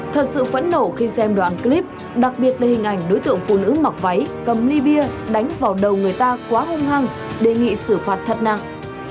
thật sự phẫn nổ khi xem đoạn clip đặc biệt là hình ảnh đối tượng phụ nữ mặc váy cầm ly bia đánh vào đầu người ta quá hung hăng đề nghị xử phạt thật nặng